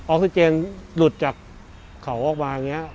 ออกซิเจนหลุดจากเขาออกมาอย่างนี้